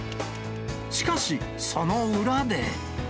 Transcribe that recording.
しかし、その裏で。